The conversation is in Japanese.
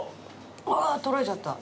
ああ取られちゃった。